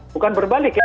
bukan berbalik ya